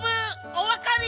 おわかり！